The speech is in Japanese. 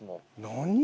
何？